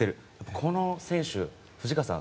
この選手、藤川さん